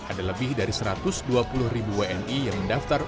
ada lebih dari satu ratus dua puluh ribu wni yang mendaftar